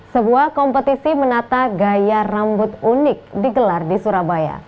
sebuah kompetisi menata gaya rambut unik digelar di surabaya